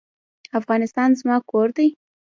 افغانستان زما کور دی؟